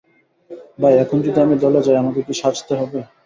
ভাই, এখন যদি আমি দলে যাই, আমাকে কি সাজতে দেবে?